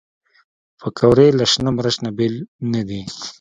پکورې له شنه مرچ نه بېل نه دي